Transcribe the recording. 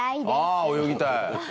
あぁ泳ぎたい。